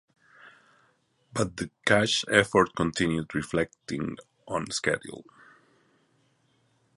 But the cash effort continued reflecting on schedule.